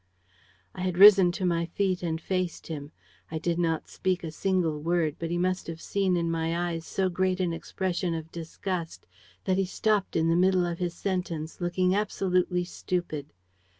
...' "I had risen to my feet and faced him. I did not speak a single word; but he must have seen in my eyes so great an expression of disgust that he stopped in the middle of his sentence, looking absolutely stupid.